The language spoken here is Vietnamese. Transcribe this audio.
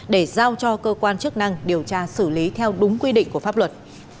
để giao cho cơ quan chức năng điều tra xử lý theo đúng quy định của pháp luật